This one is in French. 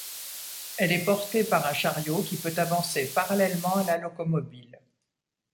Elle est portée par un charriot qui peut avancer parallèlement à la locomobile.